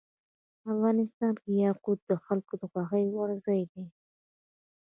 افغانستان کې یاقوت د خلکو د خوښې وړ ځای دی.